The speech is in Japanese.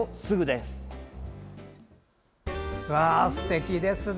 すてきですね。。